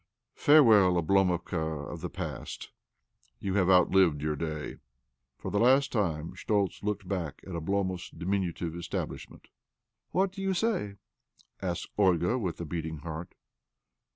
Farewell, Oblomovka of the past ! You have outlived your day !" For the last time Schtoltz looked back at Oblomov's diminutive establishment. "What do you say?" asked Olga with a beating heart.